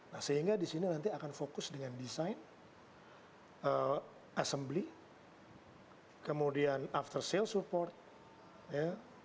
nah sehingga di sini nanti akan fokus dengan desain assembly kemudian after sale support ya